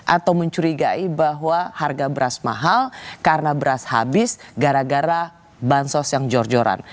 atau mencurigai bahwa harga beras mahal karena beras habis gara gara bansos yang jor joran